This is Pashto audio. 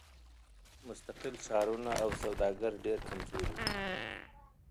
مستقل ښارونه او سوداګر ډېر کمزوري وو.